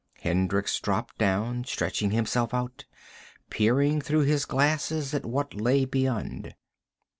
Hendricks dropped down, stretching himself out, peering through his glasses at what lay beyond.